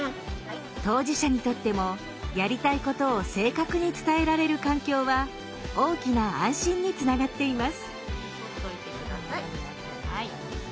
当事者にとってもやりたいことを正確に伝えられる環境は大きな安心につながっています。